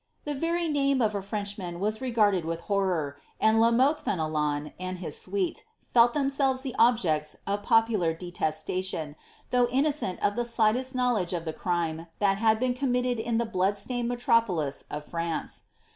The very name of a Frenchman was regarded with horror, and La Mothe Fenelon, and his suite, felt themselves the objects of popular detestation,* though innocent of the slightest knowledge of the crime that had been committed in the blood stained metropolis of France.